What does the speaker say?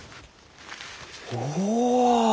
おお！